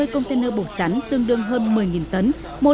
hai trăm chín mươi container bột sắn tương đương hơn một mươi tấn